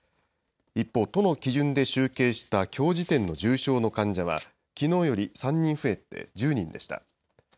一方、都の基準で集計したきょう時点の重症の患者は、きのうより３人増えて、１０人でした。